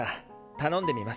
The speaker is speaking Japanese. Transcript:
頼んでみます。